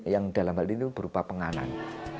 yang dalam hal ini berupa penganan